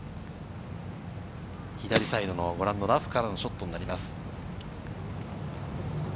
左サイドのラフからのショットになります。